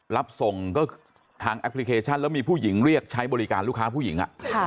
รับส่งก็ทางแอปพลิเคชันแล้วมีผู้หญิงเรียกใช้บริการลูกค้าผู้หญิง